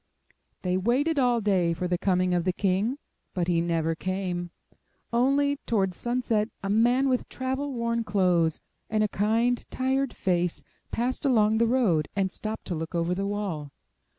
They waited all day for the coming of the King, but he never came; only, towards sunset, a man with travel worn clothes, and a kind, tired face passed along the road, and stopped to look over the wall.